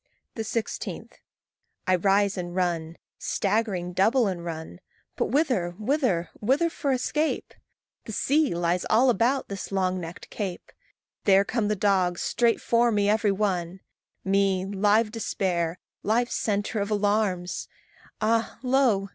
16. I rise and run, staggering double and run. But whither? whither? whither for escape? The sea lies all about this long necked cape There come the dogs, straight for me every one Me, live despair, live centre of alarms! Ah! lo!